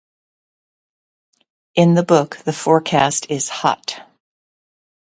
In the book The Forecast is Hot!